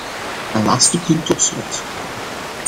Een laatste punt tot slot.